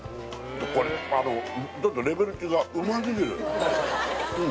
これあのちょっとレベル違ううますぎるうん